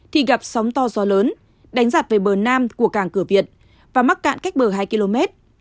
thì gặp sóng to gió lớn đánh giặt về bờ nam của cảng cửa việt và mắc cạn cách bờ hai km